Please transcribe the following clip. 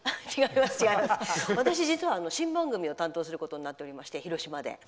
私、実は新番組を担当することになっておりまして広島で。